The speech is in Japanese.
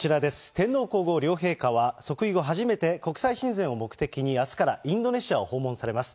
天皇皇后両陛下は即位後初めて国際親善を目的に、あすから、インドネシアを訪問されます。